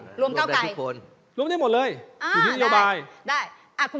รวมได้ทุกคนรวมได้หมดเลยอ่าได้ได้อ่าคุณหมอใช้สิทธิ์พาพิง